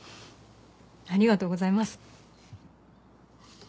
ありがとうございます。